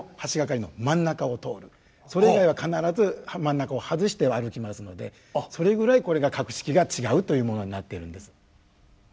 それ以外は必ず真ん中を外して歩きますのでそれぐらいこれが格式が違うというものになっているんです。